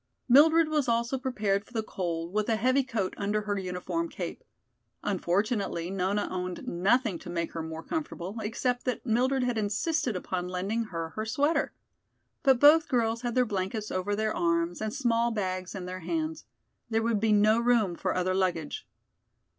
Mildred was also prepared for the cold with a heavy coat under her uniform cape. Unfortunately, Nona owned nothing to make her more comfortable, except that Mildred had insisted upon lending her her sweater. But both girls had their blankets over their arms and small bags in their hands. There would be no room for other luggage.